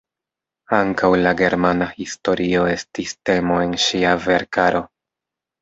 Ankaŭ la germana historio estis temo en ŝia verkaro.